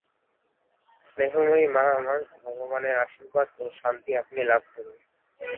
স্নেহময়ী মা আমার, ভগবানের আশীর্বাদ ও শান্তি আপনি লাভ করুন।